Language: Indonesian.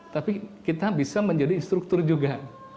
tapi kita bisa menjadi instruktur juga